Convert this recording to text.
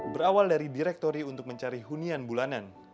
berawal dari direktori untuk mencari hunian bulanan